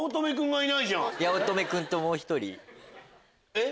えっ？